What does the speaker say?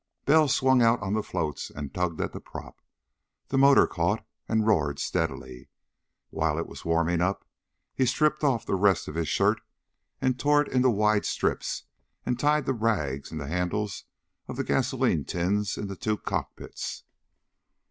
Bell swung out on the floats and tugged at the prop. The motor caught and roared steadily. While it was warming up, he stripped off the rest of his shirt and tore it into wide strips, and tied the rags in the handles of the gasoline tins in the two cockpits.